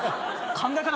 考え方